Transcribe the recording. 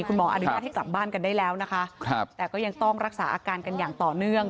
คุณหมออนุญาตให้กลับบ้านกันได้แล้วนะคะแต่ก็ยังต้องรักษาอาการกันอย่างต่อเนื่อง